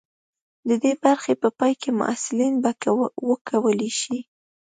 د دې برخې په پای کې محصلین به وکولی شي.